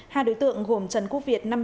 hai đối tượng gồm trần quốc việt